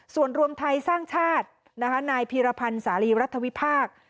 ส่วนรวมไทยสร้างชาตินะคะนายพีรพันธ์สาลีรัฐวิพากษ์